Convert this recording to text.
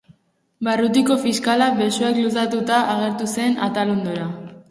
Barrutiko fiskala besoak luzatuta agertu zen atalondora.